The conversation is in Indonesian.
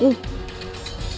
orang ngerti apa itu semua